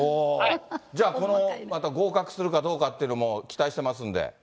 じゃあ、合格するかどうかっていうのも期待してますんで。